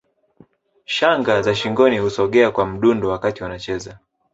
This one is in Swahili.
Shanga za shingoni husogea kwa mdundo wakati wanacheza